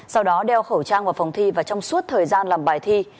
sau đó đeo khẩu trang vào phòng thi và trong suốt thời gian làm bài thi